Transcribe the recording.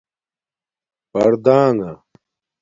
پردانݣہ